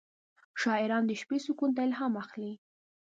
شاعران د شپې سکون ته الهام اخلي.